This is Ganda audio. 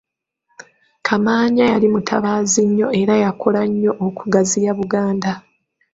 Kamaanya yali mutabaazi nnyo era yakola nnyo okugaziya Buganda.